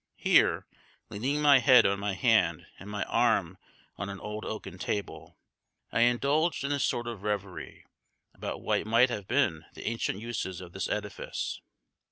Here, leaning my head on my hand and my arm on an old oaken table, I indulged in a sort of reverie about what might have been the ancient uses of this edifice.